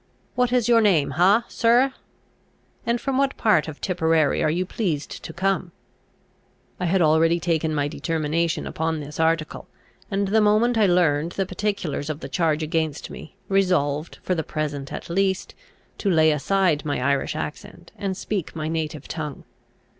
What is your name ha, sirrah? and from what part of Tipperary are you pleased to come?" I had already taken my determination upon this article; and the moment I learned the particulars of the charge against me, resolved, for the present at least, to lay aside my Irish accent, and speak my native tongue.